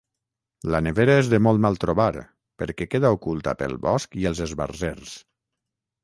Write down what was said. La nevera és de molt mal trobar, perquè queda oculta pel bosc i els esbarzers.